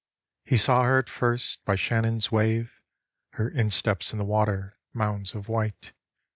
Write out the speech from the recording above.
He saw her as at first, by Shannon's wave, Her insteps in the water, mounds of white.